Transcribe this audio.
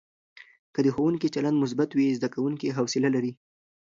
که د ښوونکي چلند مثبت وي، زده کوونکي حوصله لري.